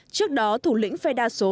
trước đó thủ lĩnh phe đa số